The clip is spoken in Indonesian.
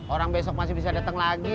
orang besok masih bisa datang lagi